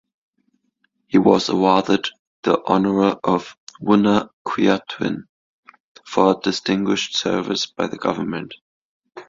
He was awarded the honour of "Wunna Kyawhtin" for distinguished service by the government.